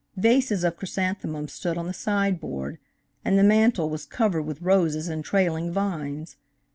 Vases of chrysanthemums stood on the sideboard, and the mantel was covered with roses and trailing vines.